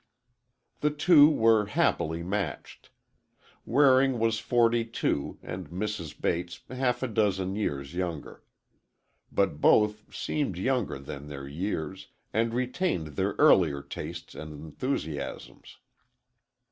The two were happily matched. Waring was forty two and Mrs. Bates half a dozen years younger. But both seemed younger than their years, and retained their earlier tastes and enthusiasms.